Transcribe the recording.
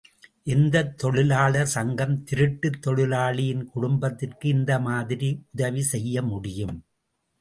எந்தத் தொழிலாளர் சங்கம் திருட்டு தொழிலாளியின் குடும்பத்திற்கு இந்த மாதிரி உதவி செய்ய முடியும்?